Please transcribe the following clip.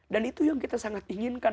dan itu yang kita sangat inginkan